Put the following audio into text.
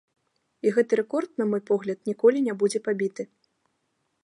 І гэты рэкорд, на мой погляд, ніколі не будзе пабіты.